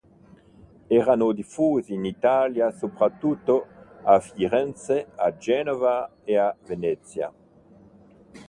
Erano diffusi in Italia soprattutto a Firenze a Genova e a Venezia.